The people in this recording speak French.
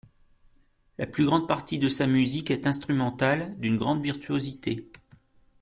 La plus grande partie de sa musique est instrumentale, d'une grande virtuosité.